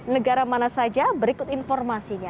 negara mana saja berikut informasinya